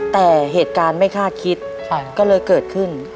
แต่เหตุการณ์ไม่คาดคิดก็เลยเกิดขึ้น